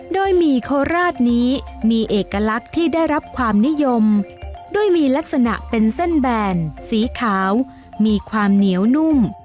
โดยหมี่โคราชนี้มีเอกลักษณ์ที่ได้รับความนิยมด้วยมีลักษณะเป็นเส้นแบนสีขาวมีความเหนียวนุ่ม